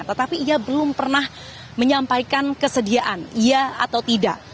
tetapi ia belum pernah menyampaikan kesediaan iya atau tidak